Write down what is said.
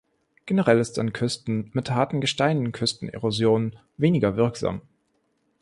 Generell ist an Küsten mit harten Gesteinen Küstenerosion weniger wirksam.